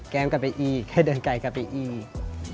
กลับไปอีกให้เดินไกลกลับไปอีก